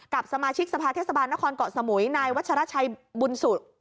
กับสมาชิกสภาเทศบาลนครเกาะสมุยนายวัชราชัยบุญสุ